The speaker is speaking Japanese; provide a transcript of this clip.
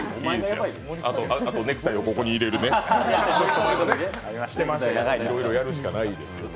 ネクタイをここに入れるとかいろいろやるしかないですよね。